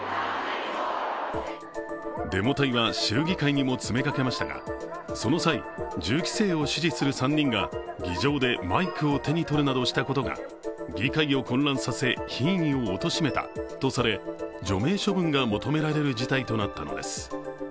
デモ隊は、州議会にも詰めかけましたが、その際、銃規制を支持する３人が議場でマイクを手に取るなどしたことが議会を混乱させ品位をおとしめたとされ、除名処分が求められる事態となったのです。